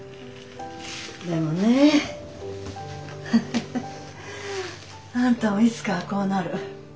でもねフフフあんたもいつかはこうなる。